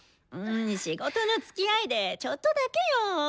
仕事のつきあいでちょっとだけよ。